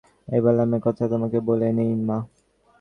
এইবেলা আমি একটা কথা তোমাকে বলে নিই মা!